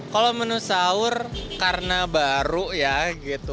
kalau menu sahur karena baru ya gitu